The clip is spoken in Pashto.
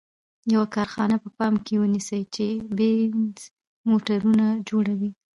یوه کارخانه په پام کې ونیسئ چې بینز موټرونه جوړوي.